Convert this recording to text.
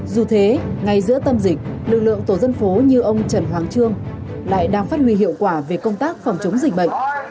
dù thế ngay giữa tâm dịch lực lượng tổ dân phố như ông trần hoàng trương lại đang phát huy hiệu quả về công tác phòng chống dịch bệnh